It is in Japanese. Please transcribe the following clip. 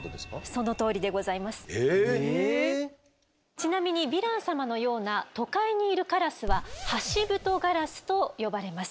ちなみにヴィラン様のような都会にいるカラスは「ハシブトガラス」と呼ばれます。